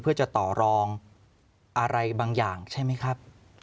เพื่อจะต่อรองอะไรบางอย่างใช่ไหมครับ